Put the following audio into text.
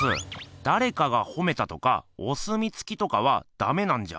だれかがほめたとかお墨付きとかはダメなんじゃ？